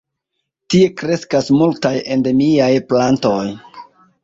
Tie kreskas multaj endemiaj plantoj.